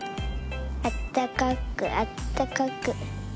あったかくあったかく。